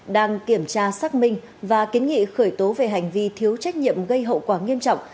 đang kiểm tra xác minh và kiến nghị khởi tố về hành vi thiếu trách nhiệm gây hậu quả nghiêm trọng